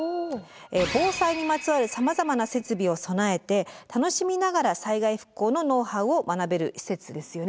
防災にまつわるさまざまな設備を備えて楽しみながら災害復興のノウハウを学べる施設ですよね？